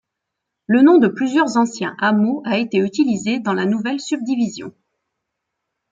Le nom de plusieurs anciens hameaux a été utilisé dans la nouvelle subdivision.